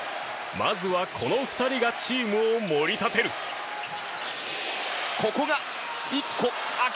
まずは、この２人がチームを盛り立てる。来た！